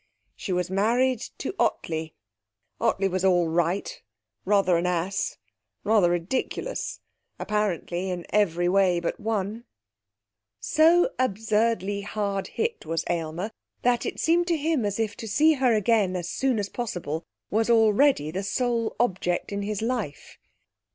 She was married to Ottley. Ottley was all right.... Rather an ass ... rather ridiculous; apparently in every way but one. So absurdly hard hit was Aylmer that it seemed to him as if to see her again as soon as possible was already the sole object in his life.